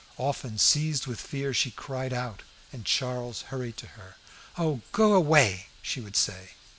Often, seized with fear, she cried out, and Charles hurried to her. "Oh, go away!" she would say.